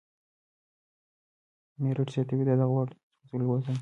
میرټ زیاتوي، دا د "غوړ سوځولو زون